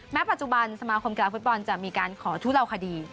ปัจจุบันสมาคมกีฬาฟุตบอลจะมีการขอทุเลาคดี